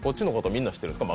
みんな知ってるんですか？